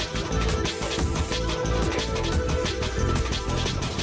สวัสดีค่ะ